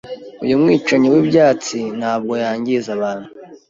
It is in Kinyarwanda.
Uyu mwicanyi wibyatsi ntabwo yangiza abantu.